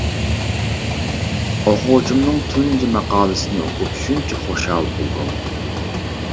ئوقۇغۇچىمنىڭ تۇنجى ماقالىسىنى ئوقۇپ شۇنچە خۇشال بولدۇم.